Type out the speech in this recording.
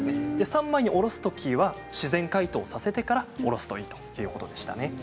三枚におろすときは自然解凍させてからおろすといいということでした。